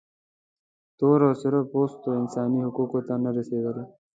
تور او سره پوستو انساني حقونو ته نه رسېدله.